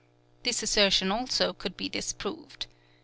This assertion also could be disproved.